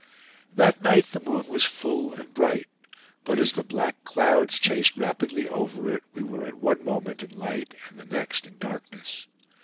That night the moon was full and bright; but as the black clouds chased rapidly over it, we were at one moment in light and at the next in darkness.